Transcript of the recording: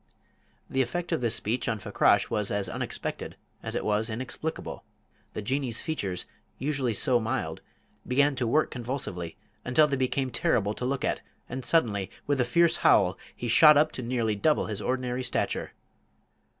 The effect of this speech on Fakrash was as unexpected as it was inexplicable: the Jinnee's features, usually so mild, began to work convulsively until they became terrible to look at, and suddenly, with a fierce howl, he shot up to nearly double his ordinary stature.